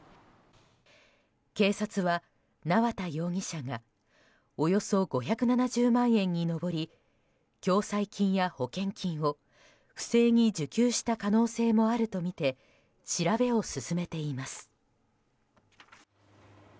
警察は縄田容疑者がおよそ５７０万円に上り共済金や保険金を不正に受給した可能性もあるとみて調べを進めています。